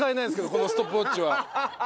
このストップウォッチは。